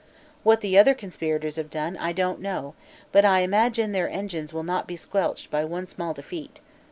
What the other conspirators have done, I don't know, but I imagine their energies will not be squelched by one small defeat.